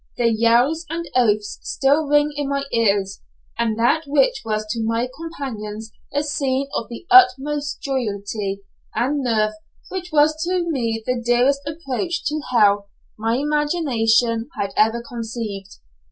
Their yells and oaths still ring in my ears, and that which was to my companions a scene of the utmost jollity and mirth was to me the nearest approach to hell my imagination had ever conceived.